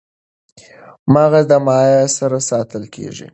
مغز د مایع سره ساتل کېږي.